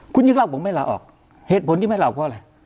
คุณยิ่งเล่าผมไม่ลาออกเหตุผลที่ไม่ลาเพราะอะไร